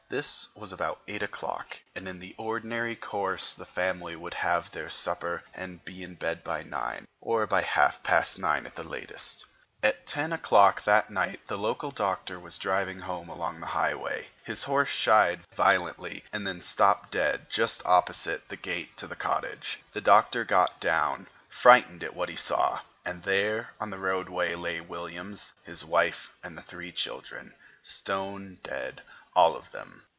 This was about eight o'clock, and in the ordinary course the family would have their supper and be in bed by nine, or by half past nine at latest. At ten o'clock that night the local doctor was driving home along the Highway. His horse shied violently and then stopped dead just opposite the gate to the cottage. The doctor got down, frightened at what he saw; and there on the roadway lay Williams, his wife, and the three children, stone dead, all of them.